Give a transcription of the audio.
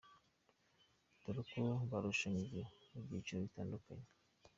Dore uko barushanijwe mu byicicro bitadukanye:.